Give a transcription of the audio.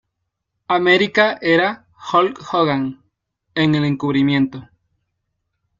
America era Hulk Hogan en el encubrimiento.